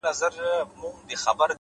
وخت د هیڅ چا لپاره نه درېږي,